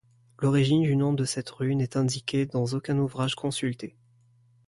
L'origine du nom de cette rue n'est indiquée dans aucun ouvrage consulté.